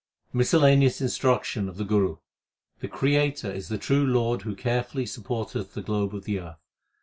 Miscellaneous instruction of the Guru : The Creator is the true Lord Who carefully support eth the globe of the earth.